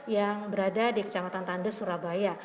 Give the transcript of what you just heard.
yang berada di kecamatan tandes surabaya